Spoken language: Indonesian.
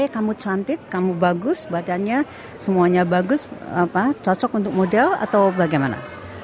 kamu cantik kamu bagus badannya semuanya bagus cocok untuk model atau bagaimana